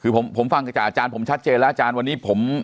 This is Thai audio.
คือผมฟังจากอาจารย์ผมชัดเจนแล้วอาจารย์วันนี้ผม